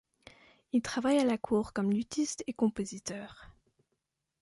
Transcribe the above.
Il travaille à la cour comme luthiste et compositeur.